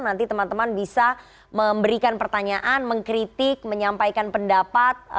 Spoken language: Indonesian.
nanti teman teman bisa memberikan pertanyaan mengkritik menyampaikan pendapat